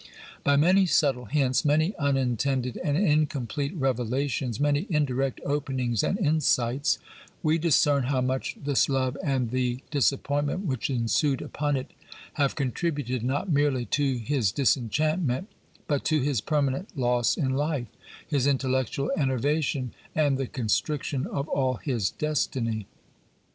By many subtle hints, many unintended and incomplete revelations, many indirect openings and in sights, we discern how much this love and the disappoint ment which ensued upon it have contributed not merely to his disenchantment but to his permanent loss in life, his intellectual enervation and the constriction of all his destiny.